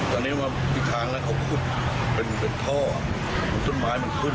ตอนนี้มันทางนั้นเขาคุดเป็นท่อต้นไม้มันขึ้น